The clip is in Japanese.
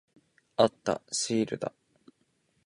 あった。シールだ。